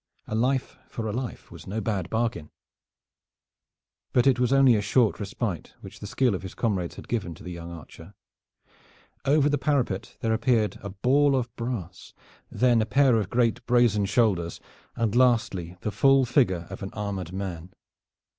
A life for a life was no bad bargain. But it was only a short respite which the skill of his comrades had given to the young archer. Over the parapet there appeared a ball of brass, then a pair of great brazen shoulders, and lastly the full figure of an armored man.